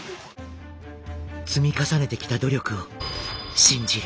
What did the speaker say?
「積み重ねてきた努力を信じる」。